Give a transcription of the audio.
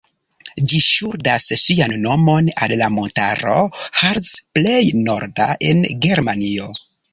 Ĝi ŝuldas sian nomon al la montaro "Harz", plej norda en Germanio.